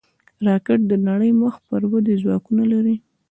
راکټ د نړۍ مخ پر ودې ځواکونه لري